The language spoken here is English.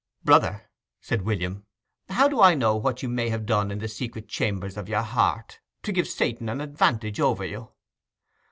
"Brother," said William, "how do I know what you may have done in the secret chambers of your heart, to give Satan an advantage over you?"